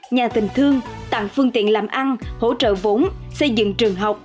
nhà tình thương tặng phương tiện làm ăn hỗ trợ vốn xây dựng trường học